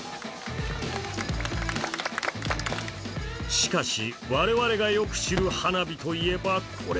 しかし、我々がよく知る花火といえば、これ。